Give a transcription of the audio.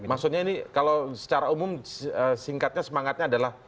maksudnya ini kalau secara umum singkatnya semangatnya adalah